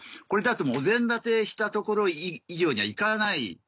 これだともうお膳立てしたところ以上には行かない。